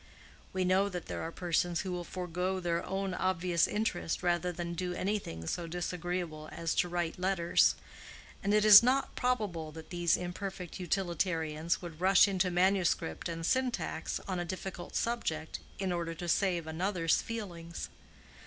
We know that there are persons who will forego their own obvious interest rather than do anything so disagreeable as to write letters; and it is not probable that these imperfect utilitarians would rush into manuscript and syntax on a difficult subject in order to save another's feelings.